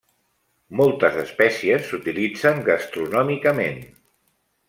Moltes espècies s'utilitzen gastronòmicament.